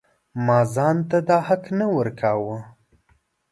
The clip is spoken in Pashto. ما ځان ته دا حق نه ورکاوه.